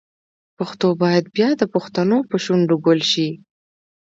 پښتو باید بیا د پښتنو په شونډو ګل شي.